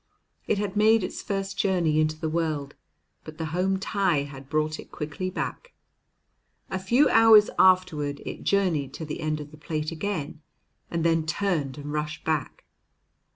It had made its first journey into the world, but the home tie had brought it quickly back. A few hours afterward it journeyed to the end of the plate again, and then turned and rushed back.